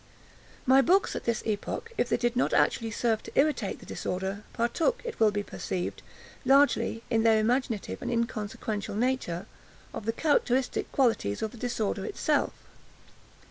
My books, at this epoch, if they did not actually serve to irritate the disorder, partook, it will be perceived, largely, in their imaginative and inconsequential nature, of the characteristic qualities of the disorder itself.